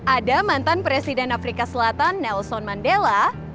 ada mantan presiden afrika selatan nelson mandela